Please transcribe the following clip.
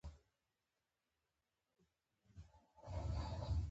تل د رڼا پر لوري ګورئ! سیوری به دي تل شاته يي.